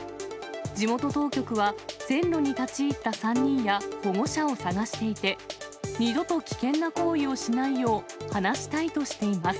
地元当局は、線路に立ち入った３人や保護者を探していて、二度と危険な行為をしないよう、話したいとしています。